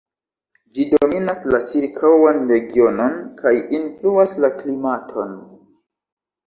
Ĝi dominas la ĉirkaŭan regionon kaj influas la klimaton.